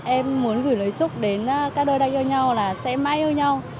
em muốn gửi lời chúc đến các đôi tay yêu nhau là sẽ mãi yêu nhau